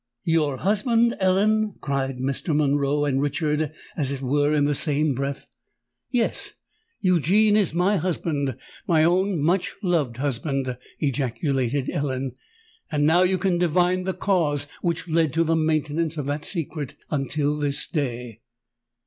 "Your husband, Ellen!" cried Mr. Monroe and Richard as it were in the same breath. "Yes—Eugene is my husband—my own, much loved husband!" ejaculated Ellen: "and now you can divine the cause which led to the maintenance of that secret until this day!"